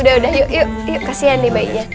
udah udah yuk yuk kasian nih bayinya